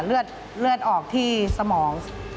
ตื่นขึ้นมาอีกทีตอน๑๐โมงเช้า